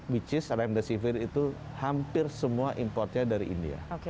which is remdesivir itu hampir semua importnya dari india